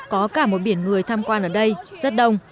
có cả một biển người tham quan ở đây rất đông